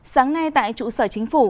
sáng nay tại trụ sở chính phủ